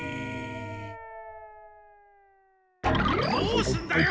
どうすんだよ